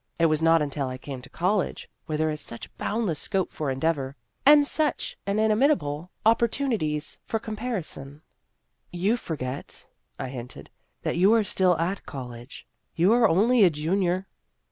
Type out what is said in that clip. It was not until I came to college, where there is such boundless scope for endeavor, and such inimitable opportunities for comparison "" You forget," I hinted, " that you are still at college. You are only a junior."